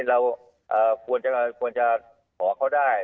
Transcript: เราควรจะขอเขาได้